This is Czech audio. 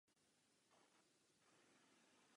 O pouhý rok později zemřela na rakovinu.